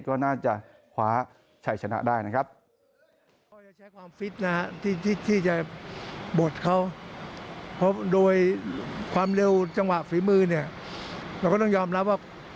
ก็น่าจะคว้าชัยชนะได้นะครับ